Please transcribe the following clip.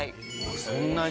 そんなに？